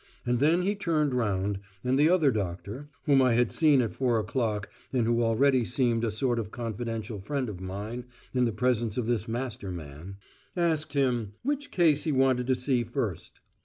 And then he turned round, and the other doctor (whom I had seen at four o'clock and who already seemed a sort of confidential friend of mine in the presence of this master man) asked him, which case he wanted to see first.